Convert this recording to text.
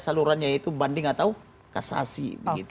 salurannya yaitu banding atau kasasi